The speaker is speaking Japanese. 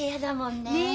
ねえ。